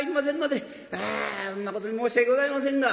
あそんなことで申し訳ございませんが」。